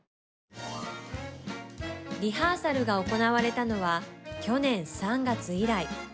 リハーサルが行われたのは去年３月以来。